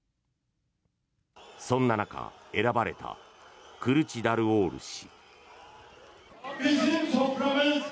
そんな中、選ばれたクルチダルオール氏。